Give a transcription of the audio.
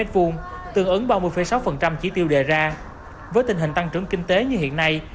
tương ứng ba mươi sáu chỉ tiêu đề ra với tình hình tăng trưởng kinh tế như hiện nay